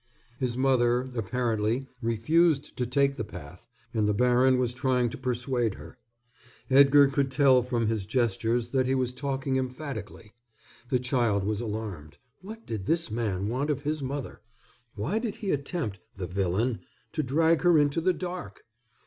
His mother, apparently, refused to take the path, and the baron was trying to persuade her. Edgar could tell from his gestures that he was talking emphatically. The child was alarmed. What did this man want of his mother? Why did he attempt the villain! to drag her into the dark?